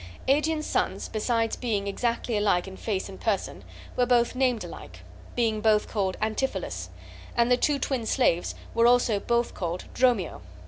Aegeon's sons, besides being exactly alike in face and person, were both named alike, being both called Antipholus, and the two twin slaves were also both named Dromio.